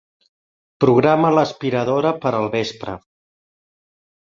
Programa l'aspiradora per al vespre.